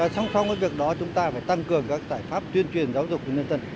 xong xong cái việc đó chúng ta phải tăng cường các giải pháp tuyên truyền giáo dục của nhân dân